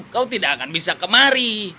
kau tidak akan bisa kemari